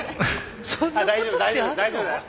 大丈夫大丈夫大丈夫だよ。